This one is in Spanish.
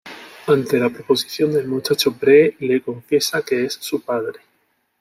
Ante la proposición del muchacho Bree le confiesa que es su padre.